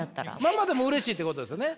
「ママ」でもうれしいってことですね？